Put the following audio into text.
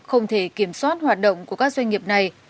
không thể kiểm soát hoạt động của các doanh nghiệp này